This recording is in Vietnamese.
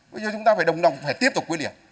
bây giờ chúng ta phải đồng đồng phải tiếp tục quyết liệt